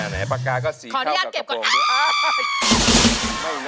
แน่ปากกาก็สีเข้ากับกระโปรงด้วย